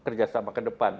kerjasama ke depan